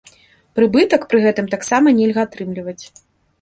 Прыбытак пры гэтым таксама нельга атрымліваць.